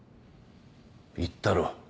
言ったろう。